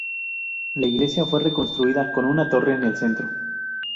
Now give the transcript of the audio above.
La iglesia fue reconstruida con una torre en el centro.